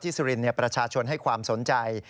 สุรินทร์ประชาชนให้ความสนใจ